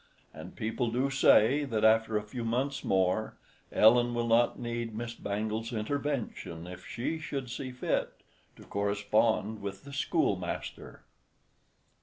And people do say, that after a few months more, Ellen will not need Miss Bangle's intervention if she should see fit to correspond with the schoolmaster.